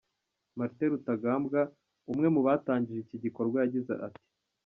Martin Rutagambwa umwe mubatangije iki gikorwa yagize ati:.